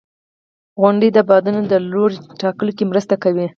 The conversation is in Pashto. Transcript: • غونډۍ د بادونو د لوري ټاکلو کې مرسته کوي.